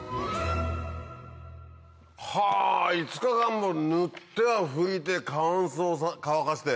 はぁ５日間も塗っては拭いて乾かして。